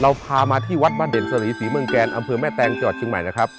เราพามาที่วัดบ้านเด่นสนิษฐ์ศรีเมืองแกนอำเภอแม่แตงเจาะชิงใหม่นะครับ